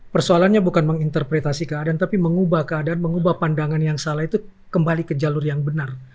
persoalannya bukan menginterpretasi keadaan tapi mengubah keadaan mengubah pandangan yang salah itu kembali ke jalur yang benar